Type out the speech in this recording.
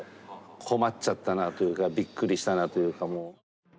困っちゃったなというかびっくりしたなというかもう。